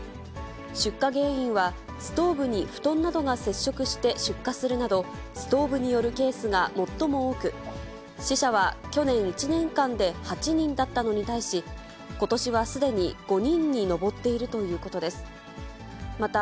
出火原因は、ストーブに布団などが接触して出火するなど、ストーブによるケースが最も多く、死者は去年１年間で８人だったのに対し、ことしはすでに５人に上っているということです。